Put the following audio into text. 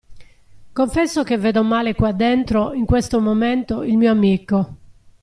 Confesso che vedo male qua dentro, in questo momento, il mio amico.